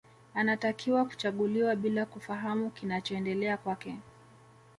Anatakiwa kuchaguliwa bila kufahamu kinachoendelea kwake